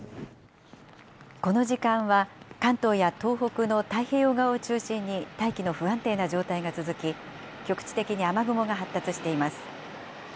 この時間は、関東や東北の太平洋側を中心に大気の不安定な状態が続き、局地的に雨雲が発達しています。